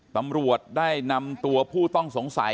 ตำรวจได้นำตัวผู้ต้องสงสัย